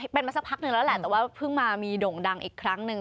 เป็นมาสักพักหนึ่งแล้วแหละแต่ว่าเพิ่งมามีโด่งดังอีกครั้งหนึ่ง